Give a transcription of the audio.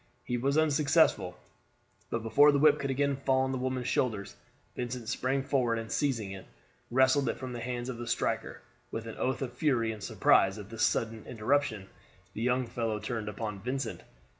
He was unsuccessful, but before the whip could again fall on the woman's shoulders, Vincent sprang forward, and seizing it, wrested it from the hands of the striker. With an oath of fury and surprise at this sudden interruption, the young fellow turned upon Vincent.